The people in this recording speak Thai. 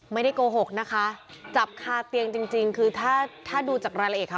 ไม่ได้โกหกนะคะจับคาเตียงจริงจริงคือถ้าถ้าดูจากรายละเอียดค่ะ